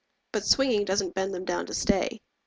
But swinging doesn't bend them down to stay.